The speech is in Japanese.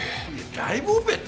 ライブオペって。